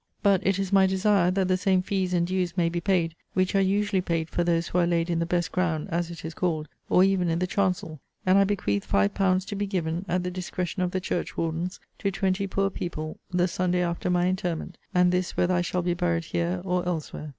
But it is my desire, that the same fees and dues may be paid which are usually paid for those who are laid in the best ground, as it is called, or even in the chancel. And I bequeath five pounds to be given, at the discretion of the church wardens, to twenty poor people, the Sunday after my interment; and this whether I shall be buried here or elsewhere.